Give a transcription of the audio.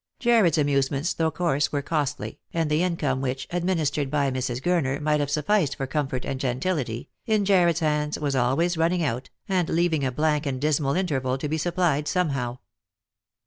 Jarred's amusements, though coarse, were costly, and the income which, administered by Mrs. Gurner, might have sufficed for comfort and gentility, in Jarred's hands was always running out, and leaving a blank and dismal interval to be supplied somehow.